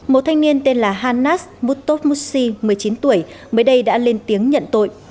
một thanh niên tên là hanas mutofmusi một mươi chín tuổi mới đây đã lên tiếng nhận tội